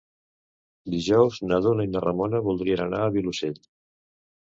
Dijous na Duna i na Ramona voldrien anar al Vilosell.